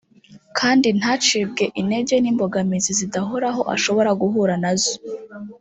kandi ntacibwe intege n’imbogamizi zidahoraho ashobora guhura nazo